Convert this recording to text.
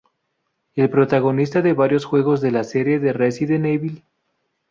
El protagonista de varios juegos de la serie de Resident Evil.